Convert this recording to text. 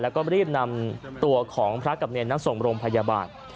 แล้วก็รีบนำตัวของพระกับเนรส่งโรงพยาบาล